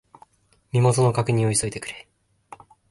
身元の確認を急いでくれ。